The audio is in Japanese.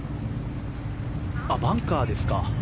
バンカーですか。